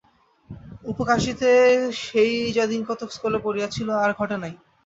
অপু কাশীতে সেই যা দিনকতক স্কুলে পড়িয়াছিল, আর ঘটে নাই।